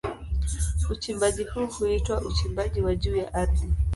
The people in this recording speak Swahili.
Uchimbaji huu huitwa uchimbaji wa juu ya ardhi.